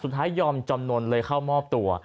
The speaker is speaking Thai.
ยอมจำนวนเลยเข้ามอบตัว